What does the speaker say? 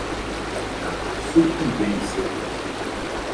sucumbência